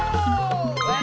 terima kasih komandan